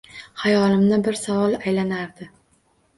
Xayolimni bir savol aylanardi